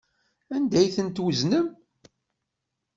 Anda ay ten-tweznem?